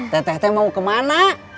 teh teh mau kemana